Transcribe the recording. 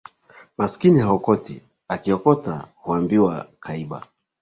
Masikini haokoti, akiokota huambiwa kaiba